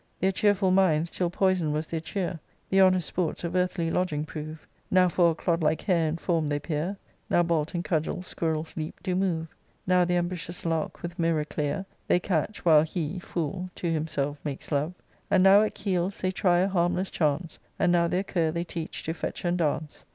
Their cheerful minds, till poisoned was their cheer, The honest sports of earthly lodging prove : Now for a clod like hare in form they peer ; Now bolt and cudgel squirrel's leap do move ; Now the ambitious lark with mirror clear They catch, while he (fool !) to himself makes love ; And now at keels* they try a harmless chance, And now their cur they teach to fetch and dance.